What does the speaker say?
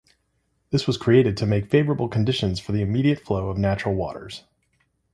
This was created to make favorable conditions for the immediate flow of natural waters.